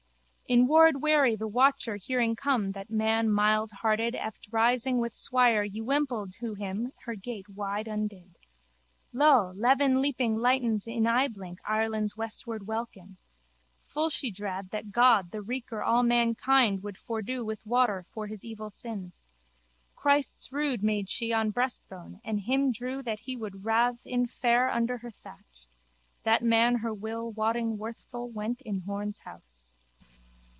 In ward wary the watcher hearing come that man mildhearted eft rising with swire ywimpled to him her gate wide undid. Lo, levin leaping lightens in eyeblink Ireland's westward welkin. Full she drad that God the Wreaker all mankind would fordo with water for his evil sins. Christ's rood made she on breastbone and him drew that he would rathe infare under her thatch. That man her will wotting worthful went in Horne's house.